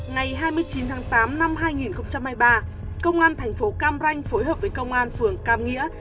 ngày hai mươi chín tháng tám năm hai nghìn hai mươi ba công an thành phố cam ranh phối hợp với công an phường cam nghĩa